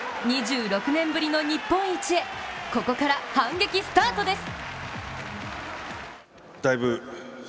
２６年ぶりの日本一へここから反撃スタートです。